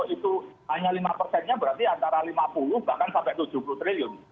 itu hanya lima persennya berarti antara lima puluh bahkan sampai tujuh puluh triliun